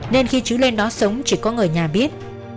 nên khi chú lên đó sống chỉ có người nhà biết